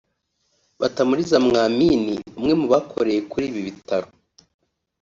Batamuriza Mwamini umwe mu barokokeye kuri ibi bitaro